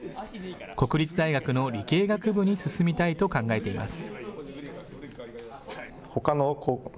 国立大学の理系学部に進みたいと考えています。